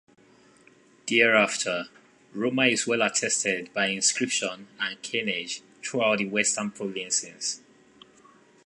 Thereafter, Roma is well attested by inscriptions and coinage throughout the Western provinces.